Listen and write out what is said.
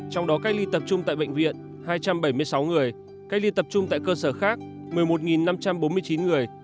trong đó cách ly tập trung tại bệnh viện hai trăm bảy mươi sáu người cách ly tập trung tại cơ sở khác một mươi một năm trăm bốn mươi chín người